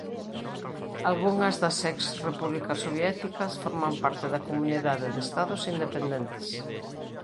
Algunhas das ex repúblicas soviéticas forman parte da Comunidade de Estados Independentes.